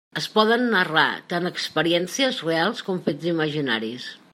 Es poden narrar tant experiències reals com fets imaginaris.